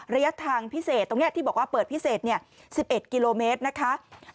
ระยะทางพิเศษตรงนี้ที่บอกว่าเปิดพิเศษ๑๑กิโลเมตรนะคะ